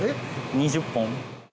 ２０本。